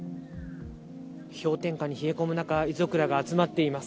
氷点下に冷え込む中、遺族らが集まっています。